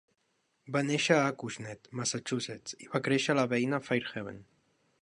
Va néixer a Acushnet, Massachusetts i va créixer a la veïna Fairhaven.